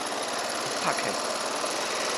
o pake!